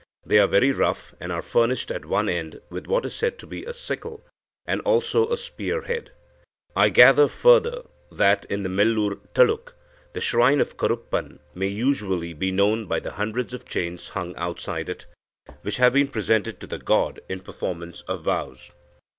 They are very rough, and are furnished at one end with what is said to be a sickle, and also a spear head. I gather further that, in the Melur taluk, the shrine of Karuppan may usually be known by the hundreds of chains hung outside it, which have been presented to the god in performance of vows.